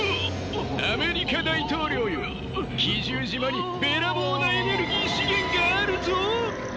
アメリカ大統領よ奇獣島にべらぼうなエネルギー資源があるぞ。